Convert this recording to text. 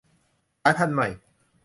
สายพันธุ์ใหม่